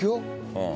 うん。